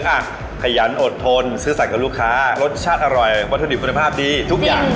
ขยันอดทนซื้อสัตวกับลูกค้ารสชาติอร่อยวัตถุดิบคุณภาพดีทุกอย่าง